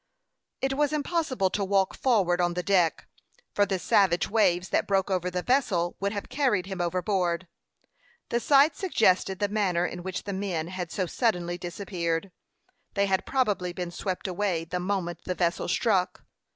It was impossible to walk forward on the deck, for the savage waves that broke over the vessel would have carried him overboard. The sight suggested the manner in which the men had so suddenly disappeared. They had probably been swept away the moment the vessel struck.